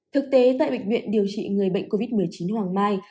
thực tế tại bệnh viện điều trị người bệnh covid một mươi chín hoàng mai